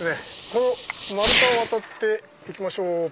この丸太を渡っていきましょう。